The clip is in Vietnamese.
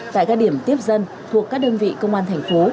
tại các điểm tiếp dân thuộc các đơn vị công an tp